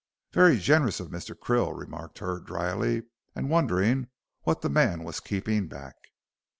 "Very generous of Mr. Krill," remarked Hurd, dryly, and wondering what the man was keeping back.